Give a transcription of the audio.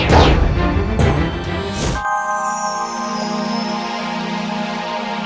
hanya ada één